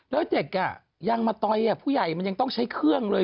แล้วเด็กยังมาต่อยผู้ใหญ่มันยังต้องใช้เครื่องเลย